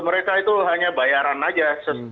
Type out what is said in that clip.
mereka itu hanya bayaran saja